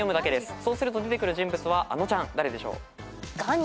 そうすると出てくる人物はあのちゃん誰でしょう？